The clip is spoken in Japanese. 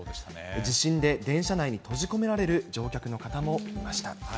地震で電車内に閉じ込められる乗客の方もいました。